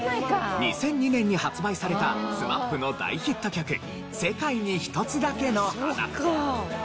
２００２年に発売されたＳＭＡＰの大ヒット曲『世界に一つだけの花』。